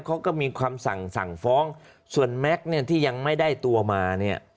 เขาก็มีความสั่งสั่งฟ้องส่วนแม็กซ์เนี่ยที่ยังไม่ได้ตัวมาเนี่ย